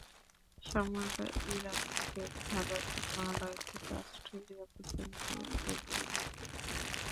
সমগ্র ইরান থেকে ভারত, মালয় থেকে অস্ট্রেলিয়া পর্যন্ত এদের পরিধি।